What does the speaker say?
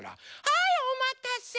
はいおまたせ！